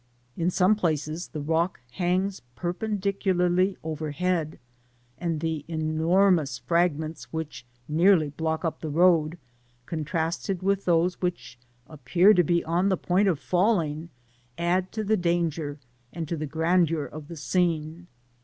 In some jdaces the rock hangs perpendicularly over head, and th^ aiormous fragments which nearly block up the road, contrasted with those which appear to be on the point of falling, add to the danger and to the grandeur of the scene.